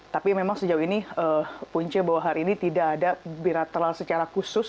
tapi memang sejauh ini punca bahwa hari ini tidak ada bilateral secara khusus